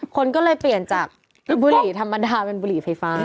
คนก็เลยเปลี่ยนจากบุหรี่ธรรมดาเป็นบุหรี่ไฟฟ้า